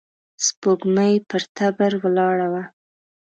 سپوږمۍ پر تبر ولاړه وه.